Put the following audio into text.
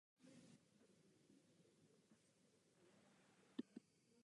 Community policing is another area where plural policing can be seen.